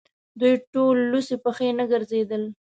دوی ټول لڅې پښې نه ګرځېدل.